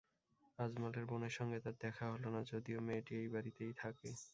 আজমলের বোনের সঙ্গে তার দেখা হলো না, যদিও মেয়েটি এই বাড়িতেই থাকে।